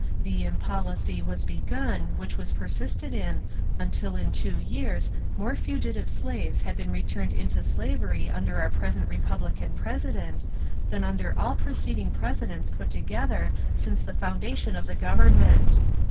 The impolicy was begun which was persisted in until in two years more fugitive slaves SENATOR SUMNER 329 had been returned into slavery under our first Republican president than under all preceding presidents put together since the foundation of the government